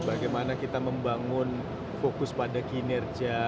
bagaimana kita membangun fokus pada kinerja